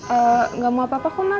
eee gak mau apa apaku mam